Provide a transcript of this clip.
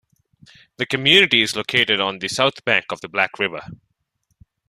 The community is located on the south bank of the Black River.